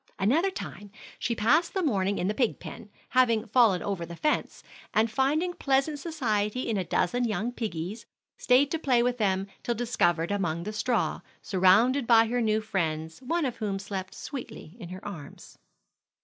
Another time, she passed the morning in the pig pen, having fallen over the fence; and finding pleasant society in a dozen young piggies, stayed to play with them till discovered among the straw, surrounded by her new friends, one of whom slept sweetly in her arms.